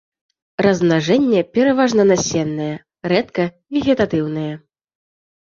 Размнажэнне пераважна насеннае, рэдка вегетатыўнае.